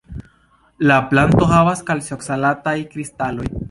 La planto havas kalcioksalataj-kristaloj.